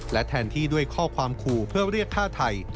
และแทนที่ด้วยข้อความขู่เพื่อเรียกฆ่าไทย